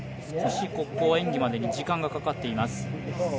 少し、ここは演技までに時間がかかっています。